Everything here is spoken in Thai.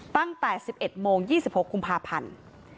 ตั้งแต่๑๑โมง๒๖กุมภาพันธ์